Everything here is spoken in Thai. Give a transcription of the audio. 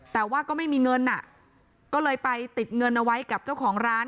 แต่ว่าก็ไม่มีเงินก็เลยไปติดเงินเอาไว้กับเจ้าของร้าน